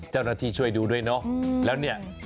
เจ้าหน้าที่ช่วยดูด้วยเนาะ